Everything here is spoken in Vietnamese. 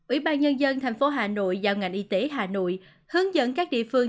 ủy ban nhân dân tp hà nội giao ngành y tế hà nội hướng dẫn các địa phương